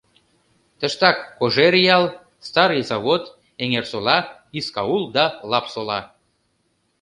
Тыштак Кожеръял, Старый Завод, Эҥерсола, Искаул да Лапсола.